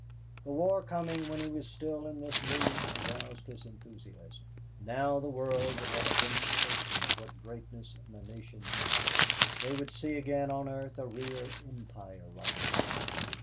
The war coming when he was still in this mood aroused his enthusiasm. Now the world would have a demonstration of what greatness in a nation meant. They would see again on earth a real empire rise.